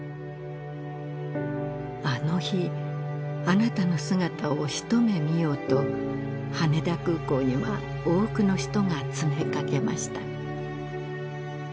あの日あなたの姿を一目見ようと羽田空港には多くの人が詰めかけました